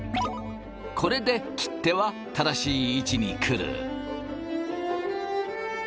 これで切手は正しい位置に来る。